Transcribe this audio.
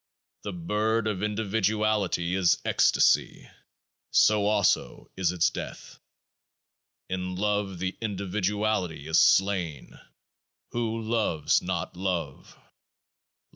The bird of individuality is ecstasy ; so also is its death. In love the individuality is slain ; who loves not love?